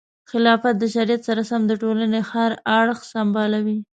خلافت د شریعت سره سم د ټولنې هر اړخ سمبالوي.